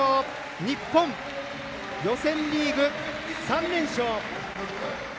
日本、予選リーグ３連勝！